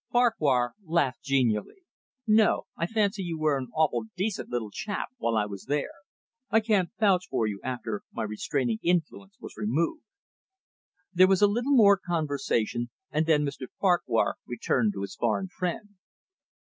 Farquhar laughed genially. "No, I fancy you were an awful decent little chap while I was there. I can't vouch for you after my restraining influence was removed." There was a little more conversation, and then Mr Farquhar returned to his foreign friend.